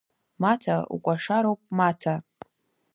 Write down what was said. Маҭа, укәашароуп, Маҭа!